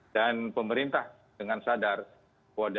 dan pemerintah dengan sadar bahwa dalam gerakan untuk penanggulangan covid ini